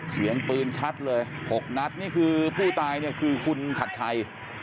เสียงปืนชัดเลย๖นัดนี่คือผู้ตายเนี่ยคือคุณชัดชัย